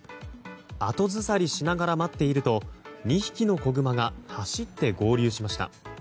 後ずさりしながら待っていると２匹の子グマが走って合流しました。